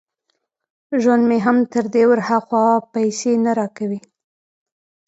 ژوند مې هم تر دې ور ها خوا پیسې نه را کوي